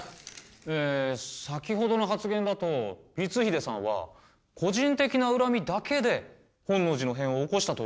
え先ほどの発言だと光秀さんは個人的な恨みだけで本能寺の変を起こしたということですか？